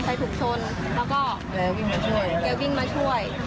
ไม่ใช่ถูกชนแล้วก็วิ่งมาช่วย